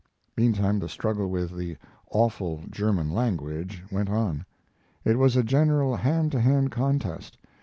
Meantime, the struggle with the "awful German language" went on. It was a general hand to hand contest.